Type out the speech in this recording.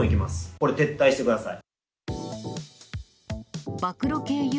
これ、撤退してください。